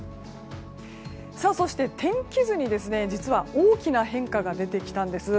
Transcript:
そして天気図に、実は大きな変化が出てきたんです。